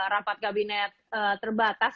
rapat kabinet terbatas